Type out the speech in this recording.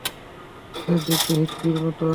তাদের দেখতে হিপ্পির মতো!